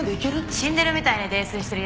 死んでるみたいに泥酔してる奴